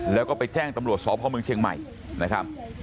แล้วก็ไปแจ้งตำรวจสพเมืองเชียงใหม่นะครับ